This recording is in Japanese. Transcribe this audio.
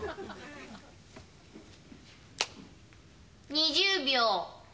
２０秒。